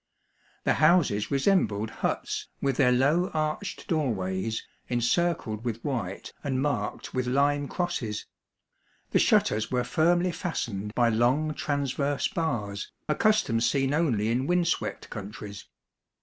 The houses resembled huts, with their low arched doorways, encircled with white and marked with lime crosses ; the shutters were firmly fast ened by long transverse bars, a custom seen only in windswept countries.